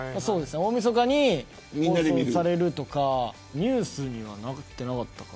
大みそかに放送されるとかニュースにはなっていませんでしたね。